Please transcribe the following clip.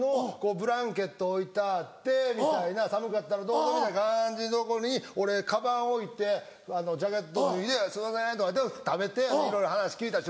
ブランケット置いてあってみたいな寒かったらどうぞみたいな感じのとこに俺カバン置いてジャケット脱いですいませんとか言うて食べていろいろ話聞いたりして。